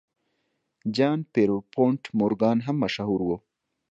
جان پیرپونټ مورګان هم مشهور و.